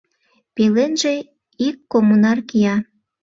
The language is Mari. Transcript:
— Пеленже ик коммунар кия.